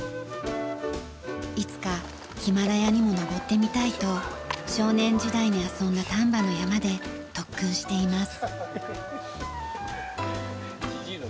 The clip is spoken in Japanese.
いつかヒマラヤにも登ってみたいと少年時代に遊んだ丹波の山で特訓しています。